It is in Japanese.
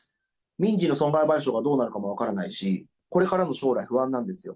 民事の損害賠償がどうなるかも分からないし、これからの将来不安なんですよ。